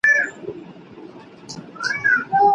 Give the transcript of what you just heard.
ولي هوډمن سړی د وړ کس په پرتله ډېر مخکي ځي؟